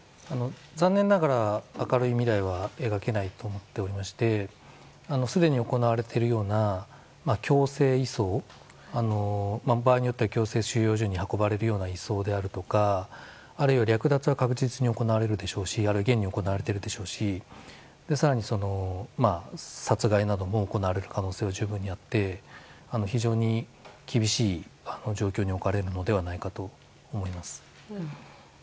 残念ながら明るい未来は描けないのかなと思っていましてすでに行われているような強制移送場合によっては強制収容所に運ばれるような移送であるとかあるいは略奪は確実に行われるでしょうし現に行われているでしょうし更に、殺害なども行われる可能性も十分にあって非常に厳しい状況に置かれるのではないかと思います。